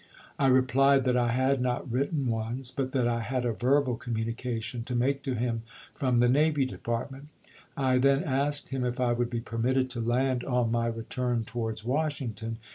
I replied that I had not written ones, but that I had a verbal commu nication to make to him from the Navy Depart ment. I then asked him if I would be permitted to land on my return towards Washington.